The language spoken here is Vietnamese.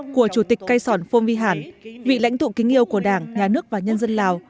của chủ tịch cây sòn phô vi hẳn vị lãnh thụ kính yêu của đảng nhà nước và nhân dân lào